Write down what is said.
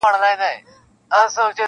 سرې لمبې په غېږ کي ګرځولای سي -